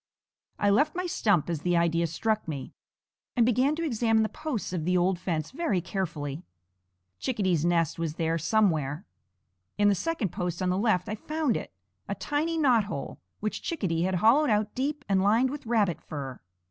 I left my stump as the idea struck me, and began to examine the posts of the old fence very carefully. Chickadee's nest was there somewhere. In the second post on the left I found it, a tiny knot hole, which Chickadee had hollowed out deep and lined with rabbit fur.